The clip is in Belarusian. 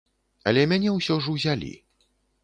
Але мяне ўсё ж узялі.